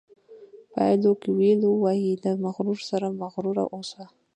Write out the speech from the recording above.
پایلو کویلو وایي د مغرورو سره مغرور اوسه.